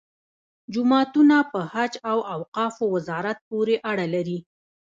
جوماتونه په حج او اوقافو وزارت پورې اړه لري.